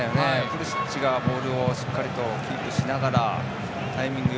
プリシッチがボールをしっかりとキープしながらタイミング